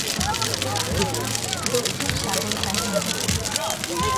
দক্ষিণ সাগর কাহিনী